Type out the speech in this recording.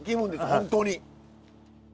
本当に。